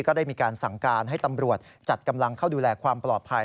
ก็ได้มีการสั่งการให้ตำรวจจัดกำลังเข้าดูแลความปลอดภัย